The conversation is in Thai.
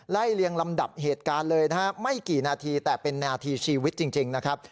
เลียงลำดับเหตุการณ์เลยนะฮะไม่กี่นาทีแต่เป็นนาทีชีวิตจริงนะครับ